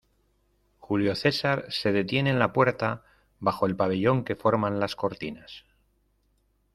julio César se detiene en la puerta, bajo el pabellón que forman las cortinas: